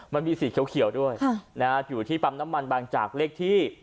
มันมีสีเขียวเขียวด้วยฮะนะครับอยู่ที่ปั๊มน้ำมันบางจากเลขที่